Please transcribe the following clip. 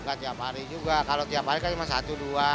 nggak tiap hari juga kalau tiap hari kan cuma satu dua